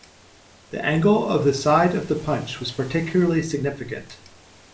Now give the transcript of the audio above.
The angle of the side of the punch was particularly significant.